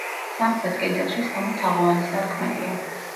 სამხრეთ კედელში სამი თაღოვანი სარკმელია.